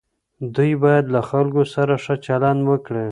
دوی باید له خلکو سره ښه چلند وکړي.